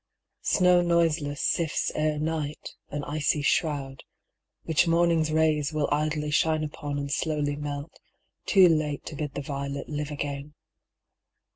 Snow noiseless sifts Ere night, an icy shroud, which morning's rays Willidly shine upon and slowly melt, Too late to bid the violet live again.